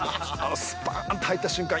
スパーンと入った瞬間